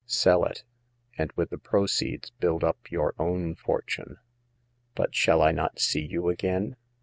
" Sell it, and with the proceeds build up your own fortune." But shall I not see you again